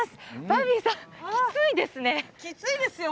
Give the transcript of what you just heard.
バービーさん、きついですね。